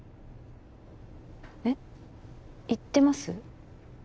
えっ言ってます？